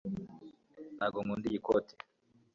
ntabwo nkunda iyi koti